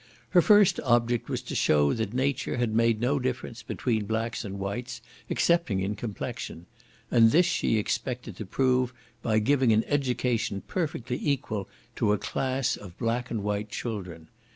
Her first object was to shew that nature had made no difference between blacks and whites, excepting in complexion; and this she expected to prove by giving an education perfectly equal to a class of black and white children.